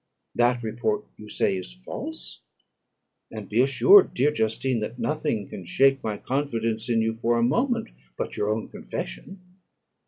That report, you say, is false; and be assured, dear Justine, that nothing can shake my confidence in you for a moment, but your own confession."